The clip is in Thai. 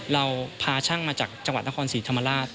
เราพาช่างมาจากจังหวัดนครศรีธรรมราช